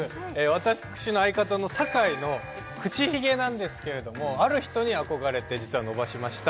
私の相方の酒井の口ひげなんですけれどもある人に憧れて実は伸ばしました